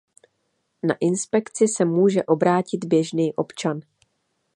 Na inspekci se může obrátit běžný občan.